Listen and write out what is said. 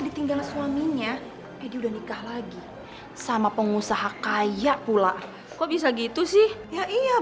ditinggal suaminya jadi udah nikah lagi sama pengusaha kaya pula kok bisa gitu sih ya iya